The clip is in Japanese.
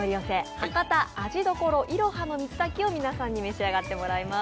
博多味処いろはの水炊きを皆さんに召し上がってもらいます。